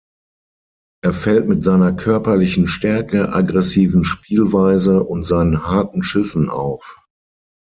Er fällt mit seiner körperlichen Stärke, aggressiven Spielweise und seinen harten Schüssen auf.